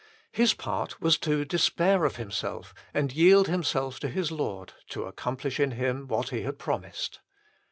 His part was to despair of himself and yield himself to his Lord to accomplish in him what He had promised.